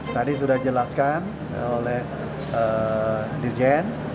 tadi sudah dijelaskan oleh dirjen